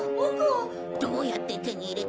どうやって手に入れたんだろう？